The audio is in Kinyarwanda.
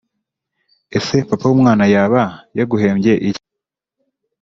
Ese papa w'umwana yaba yaguhembye iki